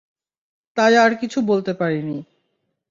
তাই আর কিছু বলতে পারিনি।